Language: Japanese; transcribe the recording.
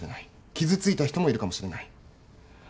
傷ついた人もいるかもしれない。